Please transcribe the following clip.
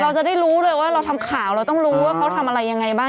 เราจะได้รู้เลยว่าเราทำข่าวเราต้องรู้ว่าเขาทำอะไรยังไงบ้าง